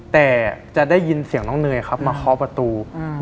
แต่จะได้ยินเสียงน้องเนยมาคอประตู